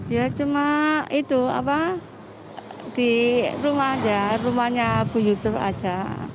ya cuma itu apa di rumahnya bu yusuf aja